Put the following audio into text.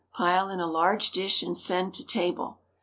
Pile in a large dish and send to table.